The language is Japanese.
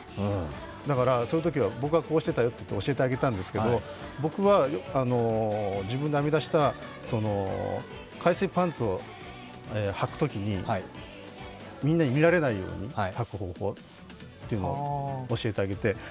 だから、そういうときは、僕はこうしてたよって教えてあげたんですけど僕は自分で編み出した海水パンツを履くときにみんなに見られないようにはく方法というのを教えてあげて。